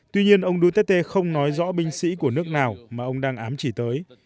tuy nhiên ông duterte không nói rõ binh sĩ của nước nào mà ông đang ám chỉ tới